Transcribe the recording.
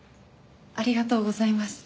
ありがとうございます。